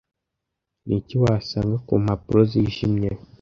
Niki wasanga kumpapuro zijimye